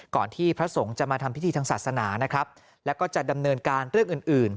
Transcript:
ที่พระสงฆ์จะมาทำพิธีทางศาสนานะครับแล้วก็จะดำเนินการเรื่องอื่นอื่น